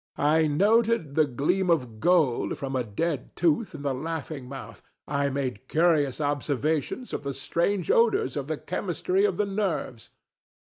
I noted the gleam of gold from a dead tooth in the laughing mouth: I made curious observations of the strange odors of the chemistry of the nerves.